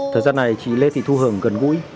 thời gian này chị lê thị thu hưởng gần gũi